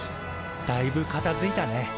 だいぶかたづいたね。